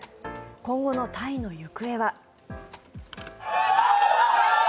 今後のタイの行方は。